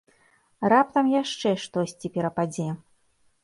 Раптам яшчэ штосьці перападзе?